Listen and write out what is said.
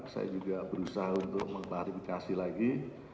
saya juga berusaha untuk mengklarifikasi lagi